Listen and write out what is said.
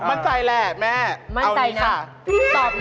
มั่นใจเนาะมั่นใจแหล่